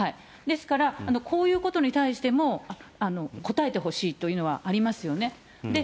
ですから、こういうことに対しても、答えてほしいというのはありますよね。